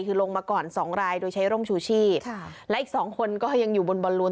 คือลงมาก่อนสองรายโดยใช้ร่มชูชีพค่ะและอีกสองคนก็ยังอยู่บนบอลลูน